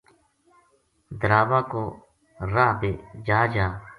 دراوا کو راہ بے جا جا